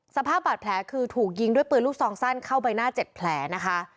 สภาพบาดแผลคือถูกยิงด้วยปืนลูกซองสั้นเข้าใบหน้า๗แผลนะคะ